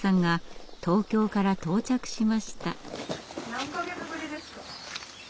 何か月ぶりですか？